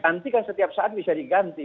nanti kan setiap saat bisa diganti